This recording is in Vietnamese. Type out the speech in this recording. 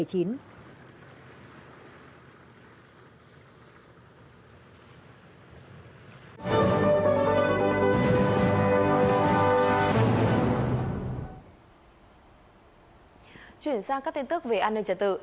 chuyển sang các tin tức về an ninh trật tự